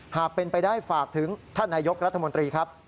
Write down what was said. หากเป็นไปได้ฝากถึงท่านนายกรัฐมนตรีครับ